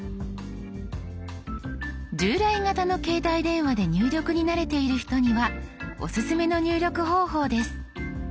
従来型の携帯電話で入力に慣れている人にはオススメの入力方法です。